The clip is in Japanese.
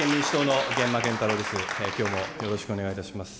きょうもよろしくお願いいたします。